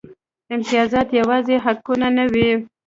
امتیازات یوازې حقونه نه وو.